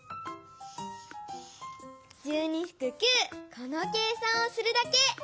このけいさんをするだけ！